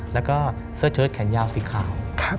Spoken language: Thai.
แล้วก็เสื้อเชิดแขนยาวสีขาว